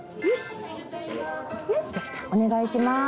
お願いします。